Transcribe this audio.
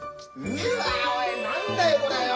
うわ何だよこれよ。